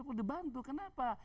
perlu dibantu kenapa